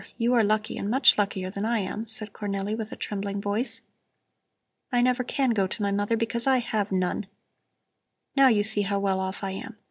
You are lucky and much luckier than I am," said Cornelli with a trembling voice. "I never can go to my mother because I have none. Now you see how well off I am!